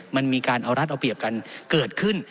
มันมีการเอารัฐเอาเปรียบกันเกิดขึ้น